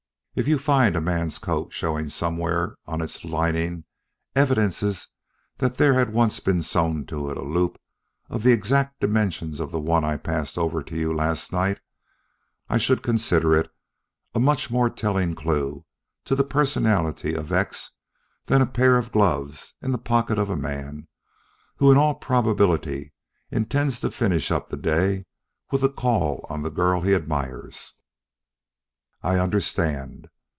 If you find a man's coat showing somewhere on its lining evidences that there had once been sewed to it a loop of the exact dimensions of the one I passed over to you last night, I should consider it a much more telling clue to the personality of X than a pair of gloves in the pocket of a man who in all probability intends to finish up the day with a call on the girl he admires." "I understand."